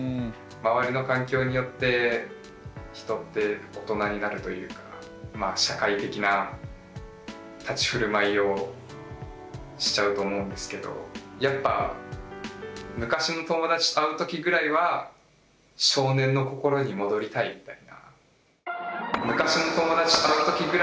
周りの環境によって人って大人になるというか社会的な立ち居振る舞いをしちゃうと思うんですけどやっぱ昔の友達と会うときぐらいは少年の心に戻りたいみたいな。